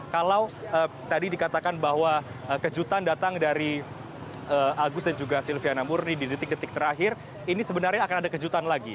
kalau tadi dikatakan bahwa kejutan datang dari agus dan juga silviana murni di detik detik terakhir ini sebenarnya akan ada kejutan lagi